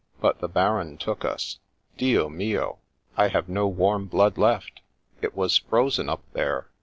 But the Baron took us. Dio mio! I have no warm blood left. It was frozen up there.